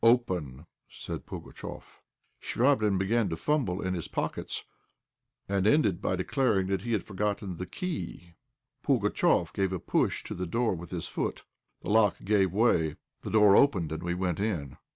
"Open!" said Pugatchéf. Chvabrine began to fumble in his pockets, and ended by declaring he had forgotten the key. Pugatchéf gave a push to the door with his foot, the lock gave way, the door opened, and we went in.